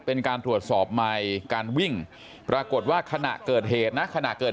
เป็นการตรวจสอบใหม่การวิ่งปรากฏว่าขณะเกิดเหตุนะ